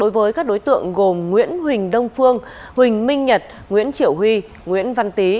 với các đối tượng gồm nguyễn huỳnh đông phương huỳnh minh nhật nguyễn triệu huy nguyễn văn tý